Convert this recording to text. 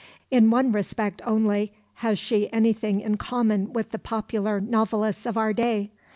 In one respect only has she anything in common with the popular novelists of our day.